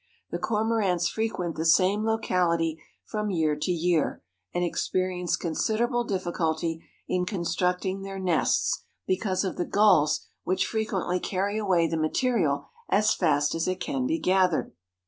The Cormorants frequent the same locality from year to year and experience considerable difficulty in constructing their nests because of the gulls which frequently carry away the material as fast as it can be gathered.